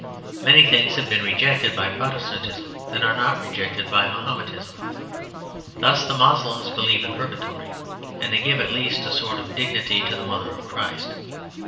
Many things have been rejected by Protestantism that are not rejected by Mahometanism. Thus the Moslems believe in Purgatory, and they give at least a sort of dignity to the Mother of Christ.